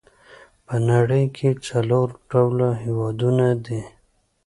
په نړۍ کې څلور ډوله هېوادونه دي.